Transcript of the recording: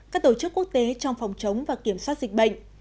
các tổ chức quốc tế trong phòng chống và kiểm soát dịch bệnh